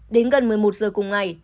đến gần một mươi một giờ cùng ngày